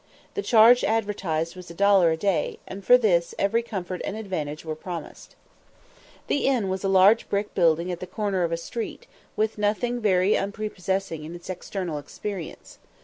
The charge advertised was a dollar a day, and for this every comfort and advantage were promised. The inn was a large brick building at the corner of a street, with nothing very unprepossessing in its external appearance.